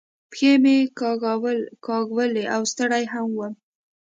پښې مې کاږولې او ستړی هم ووم.